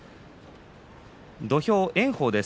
土俵は炎鵬です。